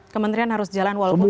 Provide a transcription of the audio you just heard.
kementerian harus jalan walaupun